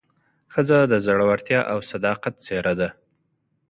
ښځه د زړورتیا او صداقت څېره ده.